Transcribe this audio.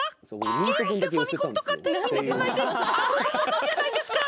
ゲームってファミコンとかテレビにつないで遊ぶものじゃないですか。